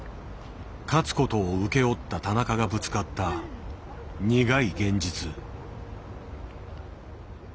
勝つことを請け負った田中がぶつかった苦い現実。